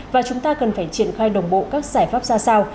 và chúng ta cần phải triển khai đồng bộ các giải pháp ra sao